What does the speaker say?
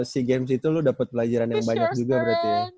si games itu lu dapet pelajaran yang banyak juga berarti ya